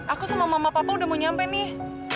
aku sama mama papa udah mau nyampe nih